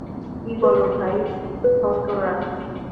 কী বল ভাই ছোটোরানী?